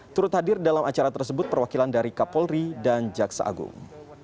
turut hadir dalam acara tersebut perwakilan dari kapolri dan jaksa agung